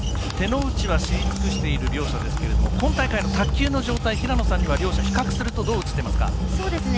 手の内は知り尽くしている両者ですけれども今大会の卓球の状態平野さんには両者を比較するとどう映っていますか？